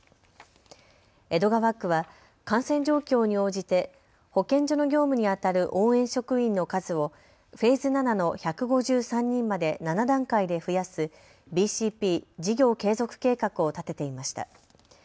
江戸川区は感染状況に応じて保健所の業務にあたる応援職員の数をフェーズ７の１５３人まで７段階で増やすＢＣＰ・事業継続計画を立てていました。